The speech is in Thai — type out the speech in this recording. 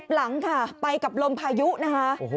หลังค่ะไปกับลมพายุนะคะ